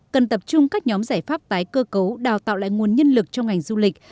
cần tập trung các nhóm giải pháp tái cơ cấu đào tạo lại nguồn nhân lực trong ngành du lịch